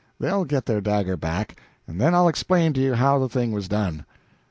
They'll get their dagger back, and then I'll explain to you how the thing was done."